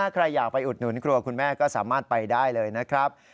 ใครอยากไปอุดหนุนกลัวคุณแม่ก็สามารถไปได้เลยนะครับ